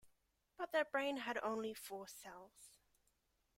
But their brain had only four cells.